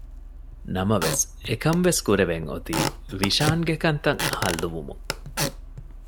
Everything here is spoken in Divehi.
ނަމަވެސް އެކަންވެސް ކުރެވެން އޮތީ ވިޝާންގެ ކަންތައް ހައްލުވުމުން